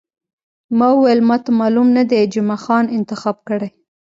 ما وویل، ما ته معلوم نه دی، جمعه خان انتخاب کړی.